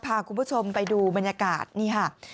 พาคุณผู้ชมไปดูบรรยากาศนี่ค่ะ